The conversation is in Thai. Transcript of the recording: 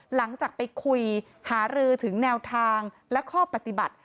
หลังจากไปคุยหารือถึงแนวทางและข้อปฏิบัติ